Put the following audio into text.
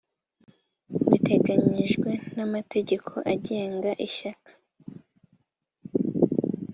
biteganyijwe n amategeko agenga ishyaka